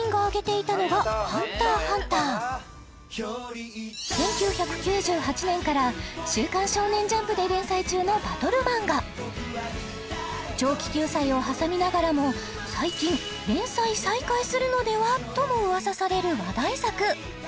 ちなみに１９９８年から「週刊少年ジャンプ」で連載中のバトルマンガ長期休載をはさみながらも最近連載再開するのではともうわさされる話題作「ＨＵＮＴＥＲ×ＨＵＮＴＥＲ」